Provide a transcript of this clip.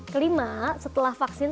kelima setelah vaksin